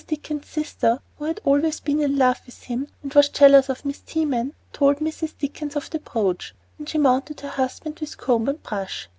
Dickens's sister, who had always been in love with him and was jealous of Miss Teman, told Mrs. Dickens of the brooch, and she mounted her husband with comb and brush.